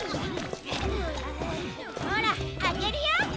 ほらあけるよ！